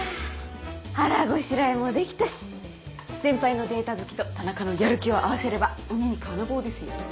腹ごしらえもできたし先輩のデータ好きと田中のやる気を合わせれば鬼に金棒ですよ。